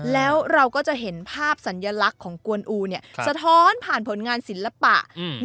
แล้วเราก็จะเห็นภาพสัญลักษณ์ของกวนอูสะท้อนผ่านผลงานศิลปะ